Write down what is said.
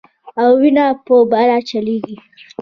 او وينه به بره چليږي